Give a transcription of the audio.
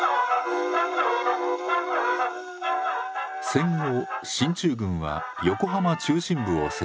戦後進駐軍は横浜中心部を接収。